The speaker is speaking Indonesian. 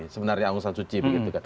sebenarnya aung san suu kyi